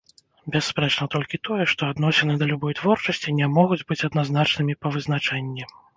Бясспрэчна толькі тое, што адносіны да любой творчасці не могуць быць адназначнымі па вызначэнні.